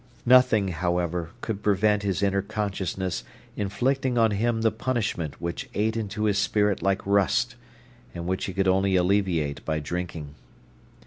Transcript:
Nothing, however, could prevent his inner consciousness inflicting on him the punishment which ate into his spirit like rust, and which he could only alleviate by drinking.